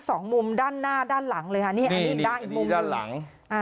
สองมุมด้านหน้าด้านหลังเลยฮะนี่นี่นี่ด้านหลังอ่า